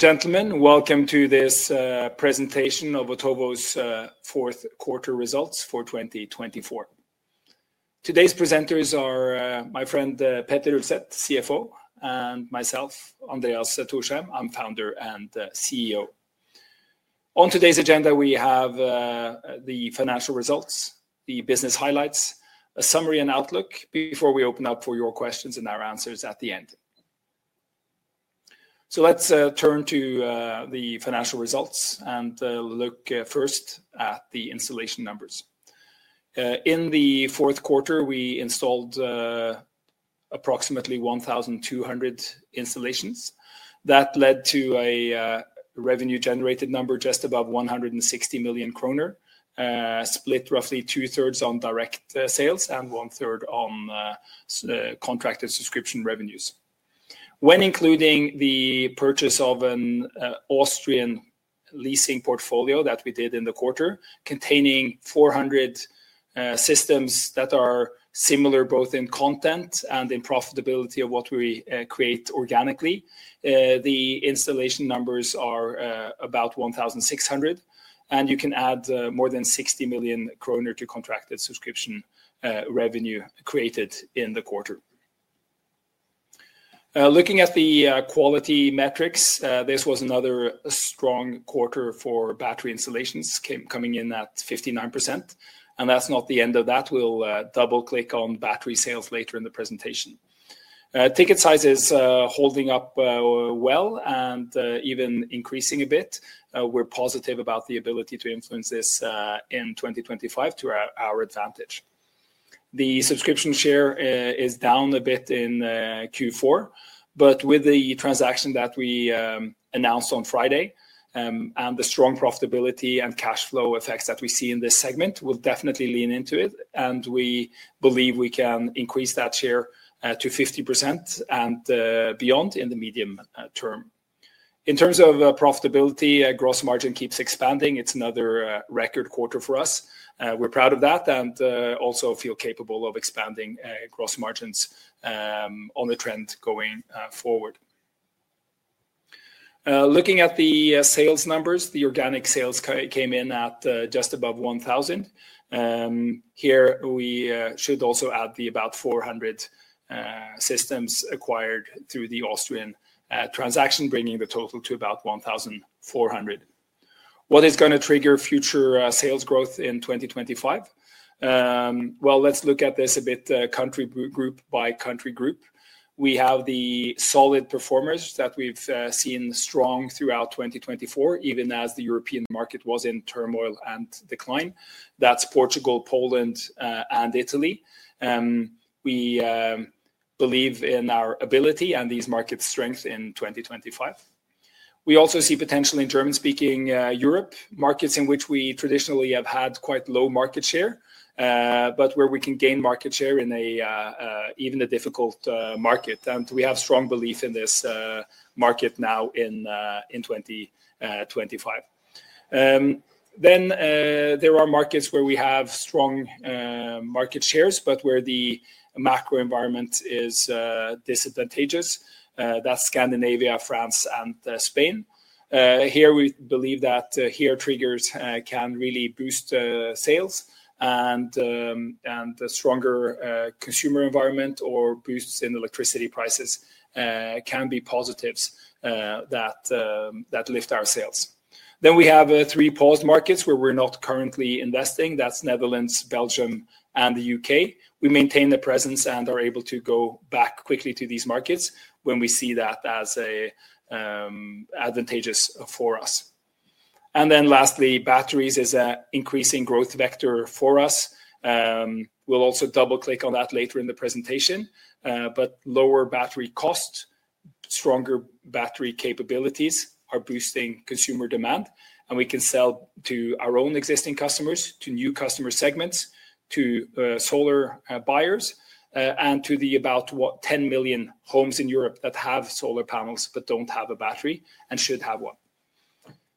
Gentlemen, welcome to this presentation of Otovo's Fourth Quarter Results for 2024. Today's presenters are my friend Petter Ulset, CFO, and myself, Andreas Thorsheim. I'm Founder and CEO. On today's agenda, we have the financial results, the business highlights, a summary, and outlook before we open up for your questions and our answers at the end. Let's turn to the financial results and look first at the installation numbers. In the fourth quarter, we installed approximately 1,200 installations. That led to a revenue-generated number just above 160 million kroner, split roughly two-thirds on direct sales and one-third on contracted subscription revenues. When including the purchase of an Austrian leasing portfolio that we did in the quarter, containing 400 systems that are similar both in content and in profitability of what we create organically, the installation numbers are about 1,600, and you can add more than 60 million kroner to contracted subscription revenue created in the quarter. Looking at the quality metrics, this was another strong quarter for battery installations, coming in at 59%. That is not the end of that. We will double-click on battery sales later in the presentation. Ticket size is holding up well and even increasing a bit. We are positive about the ability to influence this in 2025 to our advantage. The subscription share is down a bit in Q4, but with the transaction that we announced on Friday and the strong profitability and cash flow effects that we see in this segment, we will definitely lean into it. We believe we can increase that share to 50% and beyond in the medium term. In terms of profitability, gross margin keeps expanding. It is another record quarter for us. We are proud of that and also feel capable of expanding gross margins on the trend going forward. Looking at the sales numbers, the organic sales came in at just above 1,000. Here we should also add the about 400 systems acquired through the Austrian transaction, bringing the total to about 1,400. What is going to trigger future sales growth in 2025? Let us look at this a bit country group by country group. We have the solid performers that we have seen strong throughout 2024, even as the European market was in turmoil and decline. That is Portugal, Poland, and Italy. We believe in our ability and these markets' strength in 2025. We also see potential in German-speaking Europe markets in which we traditionally have had quite low market share, but where we can gain market share in even a difficult market. We have strong belief in this market now in 2025. There are markets where we have strong market shares, but where the macro environment is disadvantageous. That's Scandinavia, France, and Spain. Here we believe that triggers can really boost sales and a stronger consumer environment or boosts in electricity prices can be positives that lift our sales. We have three paused markets where we're not currently investing. That's Netherlands, Belgium, and the U.K. We maintain the presence and are able to go back quickly to these markets when we see that as advantageous for us. Lastly, batteries is an increasing growth vector for us. We'll also double-click on that later in the presentation. Lower battery costs, stronger battery capabilities are boosting consumer demand, and we can sell to our own existing customers, to new customer segments, to solar buyers, and to the about 10 million homes in Europe that have solar panels but do not have a battery and should have one.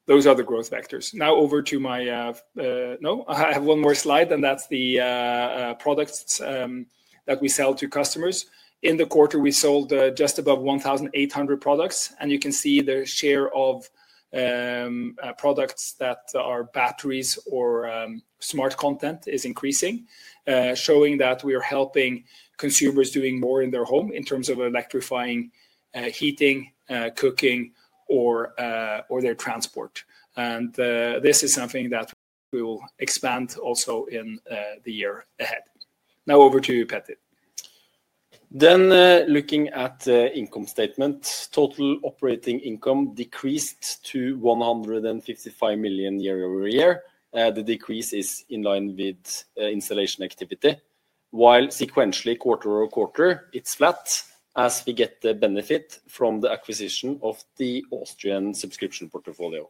Those are the growth vectors. Now over to my—no, I have one more slide, and that is the products that we sell to customers. In the quarter, we sold just above 1,800 products, and you can see the share of products that are batteries or smart content is increasing, showing that we are helping consumers doing more in their home in terms of electrifying heating, cooking, or their transport. This is something that we will expand also in the year ahead. Now over to Petter. Looking at income statement, total operating income decreased to NOK 155 million year-over-year. The decrease is in line with installation activity, while sequentially quarter-over-quarter, it's flat as we get the benefit from the acquisition of the Austrian subscription portfolio.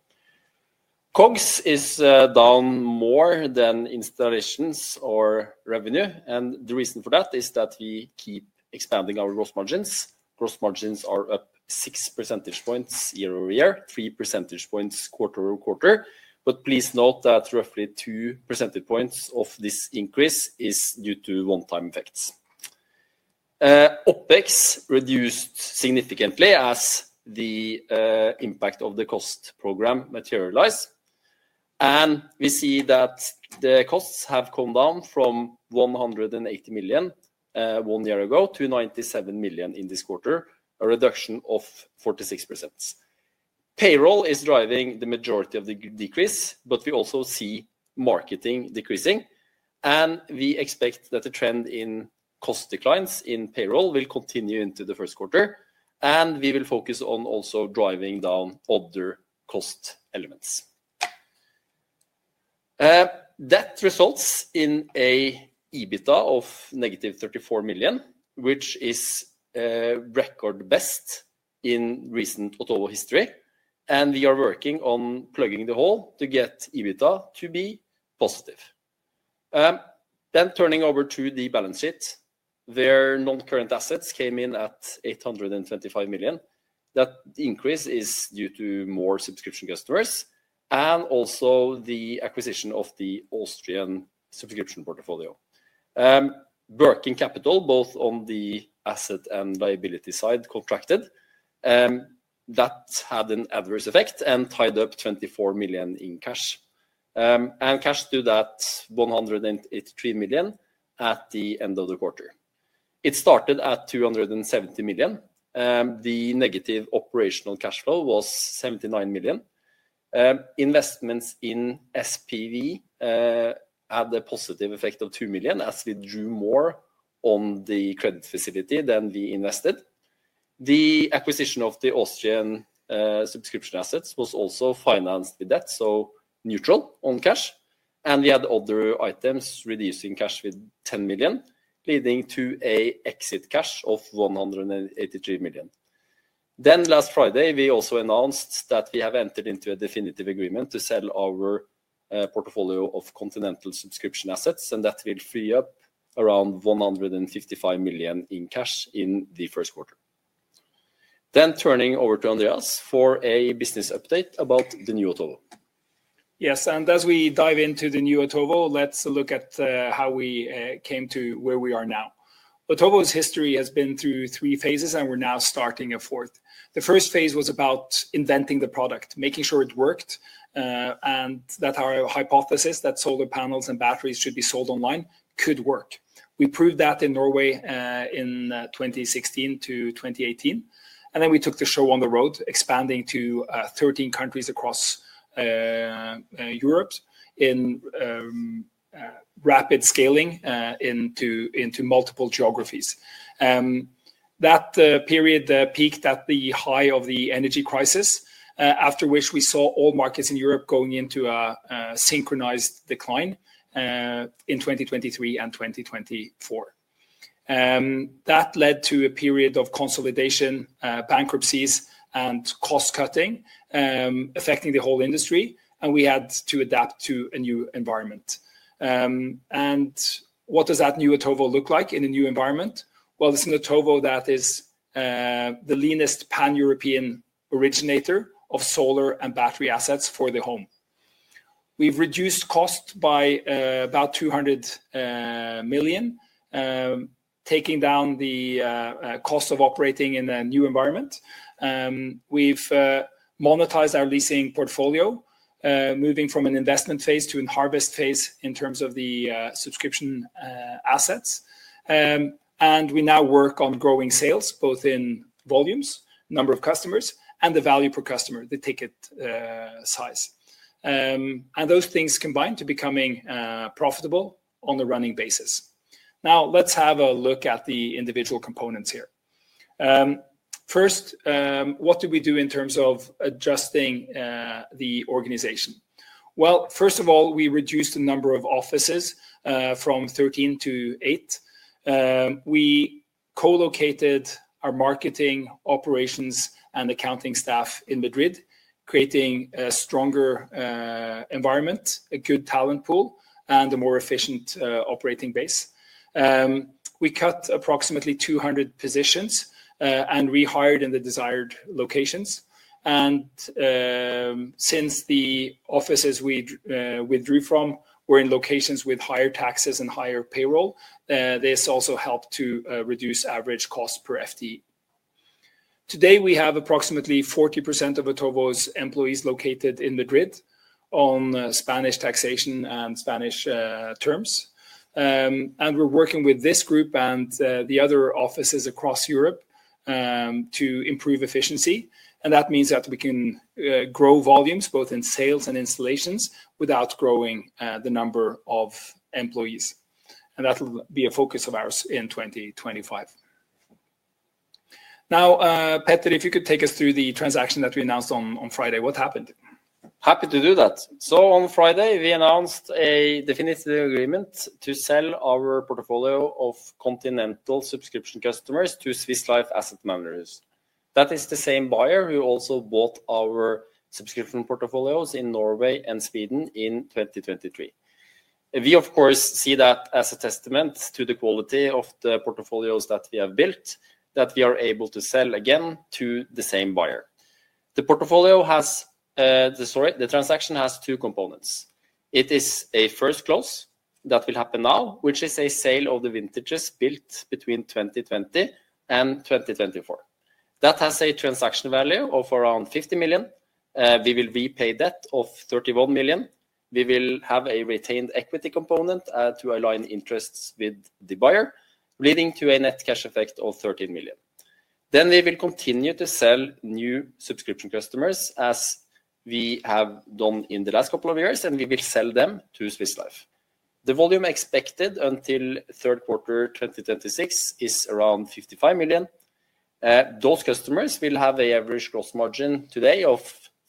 COGS is down more than installations or revenue, and the reason for that is that we keep expanding our gross margins. Gross margins are up 6 percentage points year-over-year, 3 percentage points quarter-over-quarter. Please note that roughly 2 percentage points of this increase is due to one-time effects. OpEx reduced significantly as the impact of the cost program materialized. We see that the costs have come down from 180 million one year ago to 97 million in this quarter, a reduction of 46%. Payroll is driving the majority of the decrease, but we also see marketing decreasing. We expect that the trend in cost declines in payroll will continue into the first quarter, and we will focus on also driving down other cost elements. That results in an EBITDA of negative 34 million, which is record best in recent Otovo history. We are working on plugging the hole to get EBITDA to be positive. Turning over to the balance sheet, non-current assets came in at 825 million. That increase is due to more subscription customers and also the acquisition of the Austrian subscription portfolio. Working capital, both on the asset and liability side, contracted. That had an adverse effect and tied up 24 million in cash. Cash stood at 183 million at the end of the quarter. It started at 270 million. The negative operational cash flow was 79 million. Investments in SPV had a positive effect of 2 million as we drew more on the credit facility than we invested. The acquisition of the Austrian subscription assets was also financed with that, so neutral on cash. We had other items reducing cash with 10 million, leading to an exit cash of 183 million. Last Friday, we also announced that we have entered into a definitive agreement to sell our portfolio of Continental subscription assets, and that will free up around 155 million in cash in the first quarter. Turning over to Andreas for a business update about the new Otovo. Yes, and as we dive into the new Otovo, let's look at how we came to where we are now. Otovo's history has been through three phases, and we're now starting a fourth. The first phase was about inventing the product, making sure it worked, and that our hypothesis that solar panels and batteries should be sold online could work. We proved that in Norway in 2016-2018, and then we took the show on the road, expanding to 13 countries across Europe in rapid scaling into multiple geographies. That period peaked at the high of the energy crisis, after which we saw all markets in Europe going into a synchronized decline in 2023 and 2024. That led to a period of consolidation, bankruptcies, and cost cutting affecting the whole industry, and we had to adapt to a new environment. What does that new Otovo look like in a new environment? This is an Otovo that is the leanest pan-European originator of solar and battery assets for the home. We have reduced cost by about 200 million, taking down the cost of operating in a new environment. We have monetized our leasing portfolio, moving from an investment phase to a harvest phase in terms of the subscription assets. We now work on growing sales, both in volumes, number of customers, and the value per customer, the ticket size. Those things combine to becoming profitable on a running basis. Now, let's have a look at the individual components here. First, what do we do in terms of adjusting the organization? First of all, we reduced the number of offices from 13 to 8. We co-located our marketing, operations, and accounting staff in Madrid, creating a stronger environment, a good talent pool, and a more efficient operating base. We cut approximately 200 positions and rehired in the desired locations. Since the offices we withdrew from were in locations with higher taxes and higher payroll, this also helped to reduce average cost per FTE. Today, we have approximately 40% of Otovo's employees located in Madrid on Spanish taxation and Spanish terms. We are working with this group and the other offices across Europe to improve efficiency. That means that we can grow volumes both in sales and installations without growing the number of employees. That will be a focus of ours in 2025. Now, Petter, if you could take us through the transaction that we announced on Friday, what happened? Happy to do that. On Friday, we announced a definitive agreement to sell our portfolio of Continental subscription customers to Swiss Life Asset Managers. That is the same buyer who also bought our subscription portfolios in Norway and Sweden in 2023. We, of course, see that as a testament to the quality of the portfolios that we have built that we are able to sell again to the same buyer. The portfolio has the transaction has two components. It is a first clause that will happen now, which is a sale of the vintages built between 2020 and 2024. That has a transaction value of around 50 million. We will repay that of 31 million. We will have a retained equity component to align interests with the buyer, leading to a net cash effect of 13 million. We will continue to sell new subscription customers as we have done in the last couple of years, and we will sell them to Swiss Life. The volume expected until third quarter 2026 is around 55 million. Those customers will have an average gross margin today of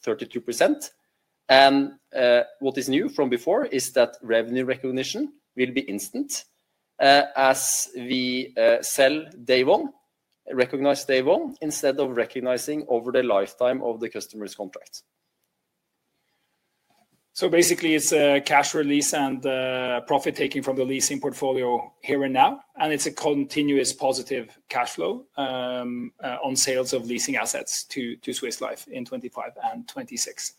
32%. What is new from before is that revenue recognition will be instant as we sell day one, recognize day one instead of recognizing over the lifetime of the customer's contract. Basically, it's a cash release and profit taking from the leasing portfolio here and now, and it's a continuous positive cash flow on sales of leasing assets to Swiss Life in 2025 and 2026.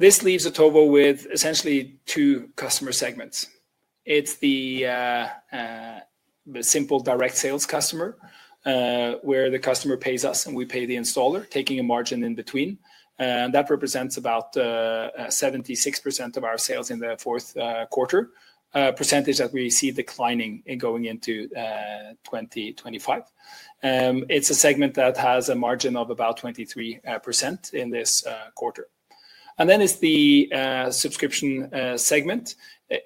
This leaves Otovo with essentially two customer segments. It's the simple direct sales customer where the customer pays us and we pay the installer, taking a margin in between. That represents about 76% of our sales in the fourth quarter, a percentage that we see declining going into 2025. It's a segment that has a margin of about 23% in this quarter. Then it's the subscription segment,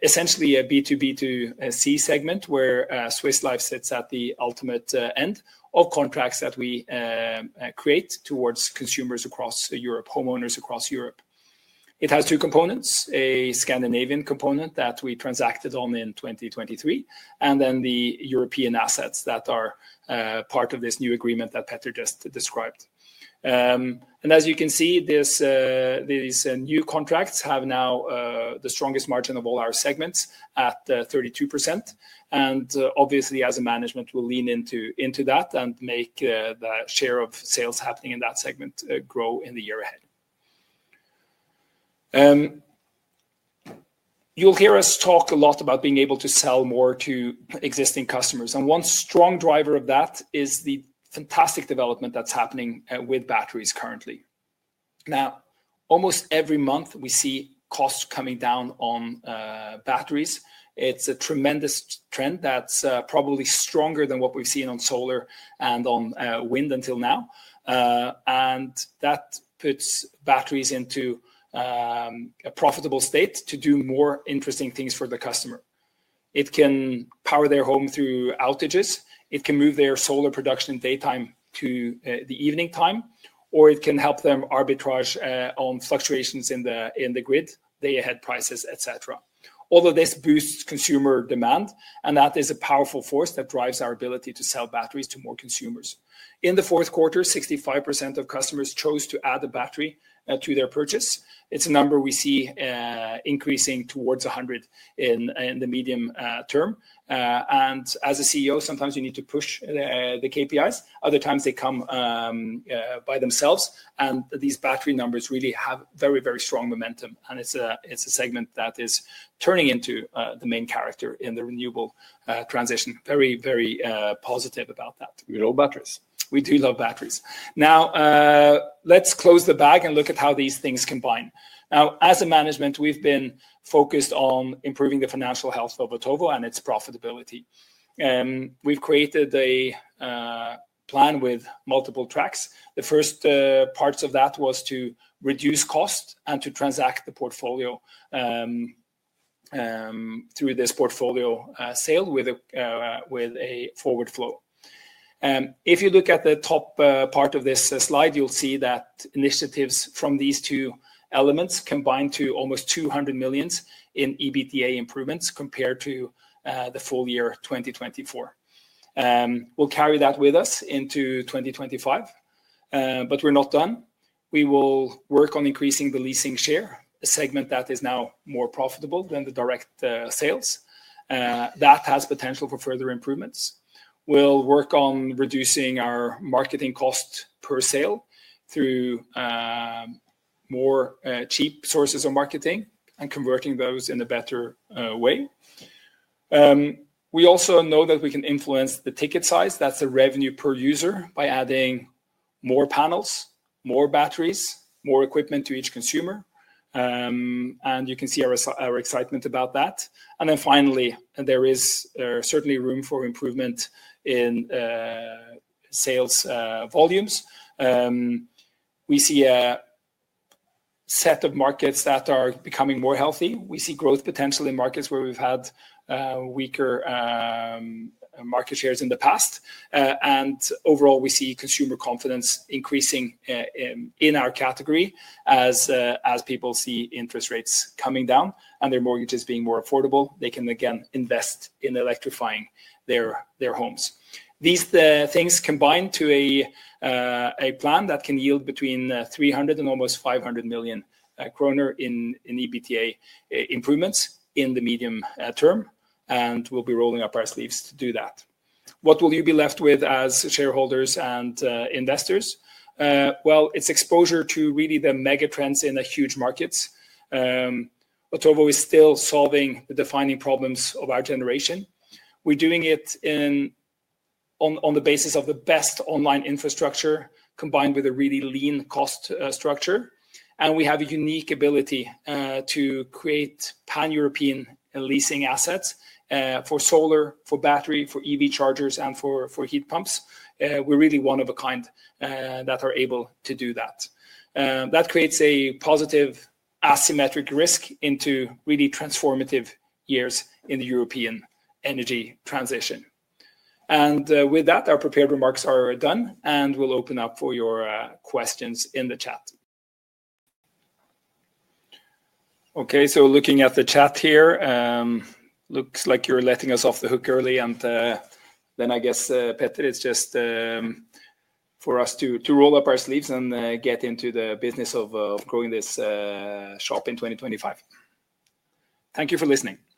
essentially a B2B2C segment where Swiss Life sits at the ultimate end of contracts that we create towards consumers across Europe, homeowners across Europe. It has two components, a Scandinavian component that we transacted on in 2023, and then the European assets that are part of this new agreement that Petter just described. As you can see, these new contracts have now the strongest margin of all our segments at 32%. Obviously, as a management, we'll lean into that and make the share of sales happening in that segment grow in the year ahead. You'll hear us talk a lot about being able to sell more to existing customers. One strong driver of that is the fantastic development that's happening with batteries currently. Now, almost every month, we see costs coming down on batteries. It's a tremendous trend that's probably stronger than what we've seen on solar and on wind until now. That puts batteries into a profitable state to do more interesting things for the customer. It can power their home through outages. It can move their solar production in daytime to the evening time, or it can help them arbitrage on fluctuations in the grid, day-ahead prices, et cetera. Although this boosts consumer demand, and that is a powerful force that drives our ability to sell batteries to more consumers. In the fourth quarter, 65% of customers chose to add a battery to their purchase. It's a number we see increasing towards 100 in the medium term. As a CEO, sometimes you need to push the KPIs. Other times, they come by themselves. These battery numbers really have very, very strong momentum. It's a segment that is turning into the main character in the renewable transition. Very, very positive about that. We love batteries. We do love batteries. Now, let's close the bag and look at how these things combine. Now, as a management, we've been focused on improving the financial health of Otovo and its profitability. We've created a plan with multiple tracks. The first parts of that was to reduce cost and to transact the portfolio through this portfolio sale with a forward flow. If you look at the top part of this slide, you'll see that initiatives from these two elements combined to almost 200 million in EBITDA improvements compared to the full year 2024. We'll carry that with us into 2025, but we're not done. We will work on increasing the leasing share, a segment that is now more profitable than the direct sales. That has potential for further improvements. We'll work on reducing our marketing cost per sale through more cheap sources of marketing and converting those in a better way. We also know that we can influence the ticket size. That's a revenue per user by adding more panels, more batteries, more equipment to each consumer. You can see our excitement about that. Finally, there is certainly room for improvement in sales volumes. We see a set of markets that are becoming more healthy. We see growth potential in markets where we've had weaker market shares in the past. Overall, we see consumer confidence increasing in our category as people see interest rates coming down and their mortgages being more affordable. They can again invest in electrifying their homes. These things combine to a plan that can yield between 300 million and almost 500 million kroner in EBITDA improvements in the medium term. We'll be rolling up our sleeves to do that. What will you be left with as shareholders and investors? It is exposure to really the mega trends in the huge markets. Otovo is still solving the defining problems of our generation. We're doing it on the basis of the best online infrastructure combined with a really lean cost structure. We have a unique ability to create pan-European leasing assets for solar, for battery, for EV chargers, and for heat pumps. We're really one of a kind that are able to do that. That creates a positive asymmetric risk into really transformative years in the European energy transition. With that, our prepared remarks are done, and we'll open up for your questions in the chat. Okay, looking at the chat here, looks like you're letting us off the hook early. I guess, Petter, it's just for us to roll up our sleeves and get into the business of growing this shop in 2025. Thank you for listening.